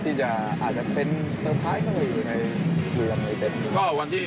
ที่จะอาจจะเป็นเซอร์ไพรส์ของเขาอีกหรือยังไง